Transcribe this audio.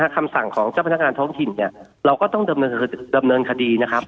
คำสั่งของเจ้าพนักงานท้องถิ่นเนี่ยเราก็ต้องดำเนินคดีนะครับ